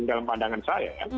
dalam pandangan saya